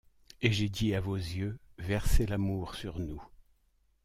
Et j’ai dit à vos yeux: Versez l’amour sur nous!